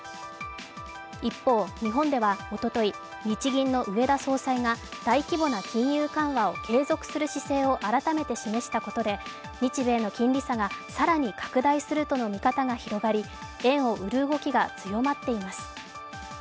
一方、日本ではおととい、日銀の植田総裁が大規模な金融緩和を継続する姿勢を改めて示したことで、日米の金利差が更に拡大するとの見方が広がり円を売る動きが強まっています。